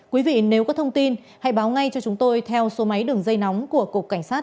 quý vị nếu có thông tin hãy báo ngay cho chúng tôi theo số máy đường dây nóng của cục cảnh sát